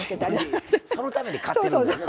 そのために買ってるんですね